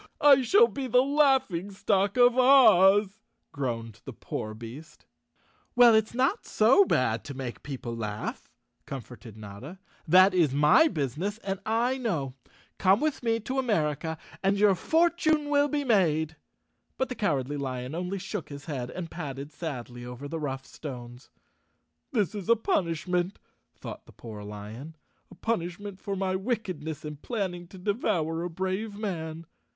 I shall be the laughing stock of Oz," groaned the poor beast. "Well, it's not so bad to make people laugh," com¬ forted Notta. " That is my business, and I know. Come 167 The Cowardly Lion of Oz _ with me to America and your fortune will be made." But the Cowardly Lion only shook his head and padded sadly over the rough stones. "This is a punishment," thought the poor lion, "a punishment for my wickedness in planning to devour a brave man."